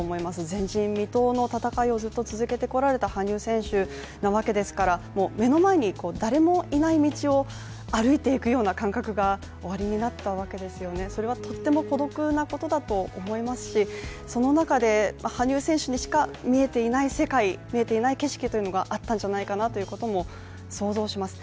前人未到の戦いをずっと続けてこられた羽生選手なわけですから目の前に誰もいない道を歩いていくような感覚がおありになったわけですよね、それはとっても孤独なことだと思いますしその中で羽生選手にしか見えていない世界見えていない景色があったんじゃないかなということも想像します。